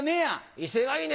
威勢がいいね！